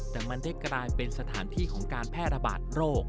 แต่มันได้กลายเป็นสถานที่ของการแพร่ระบาดโรค